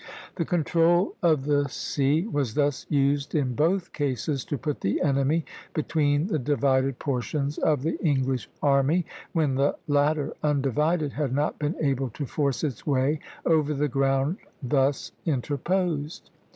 The control of the sea was thus used in both cases to put the enemy between the divided portions of the English army, when the latter, undivided, had not been able to force its way over the ground thus interposed.